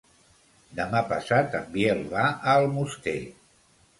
Demà passat en Biel va a Almoster.